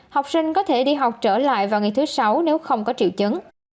học sinh có thể đi học trở lại vào ngày thứ sáu nếu không có triệu chứng